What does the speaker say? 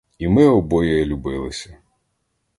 І ми обоє любилися!